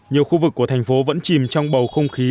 nhiều khu vực của thành phố vẫn chìm trong bầu không khí